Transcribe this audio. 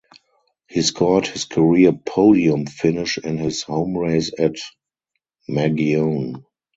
He scored his career podium finish in his home race at Magione.